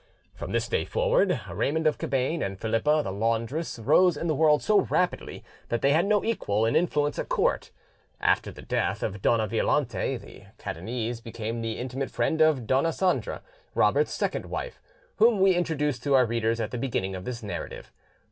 From this day forward, Raymond of Cabane and Philippa the laundress rose in the world so rapidly that they had no equal in influence at court. After the death of Dona Violante, the Catanese became the intimate friend of Dona Sandra, Robert's second wife, whom we introduced to our readers at the beginning of this narrative.